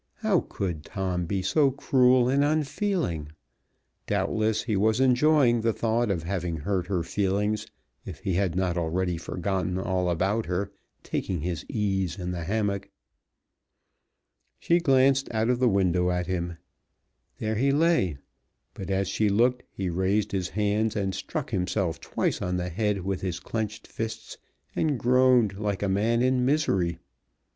How could Tom be so cruel and unfeeling? Doubtless he was enjoying the thought of having hurt her feelings, if he had not already forgotten all about her, taking his ease in the hammock. She glanced out of the window at him. There he lay, but as she looked he raised his hands and struck himself twice on the head with his clenched fists and groaned like a man in misery.